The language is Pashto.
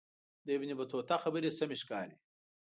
د ابن بطوطه خبرې سمې ښکاري.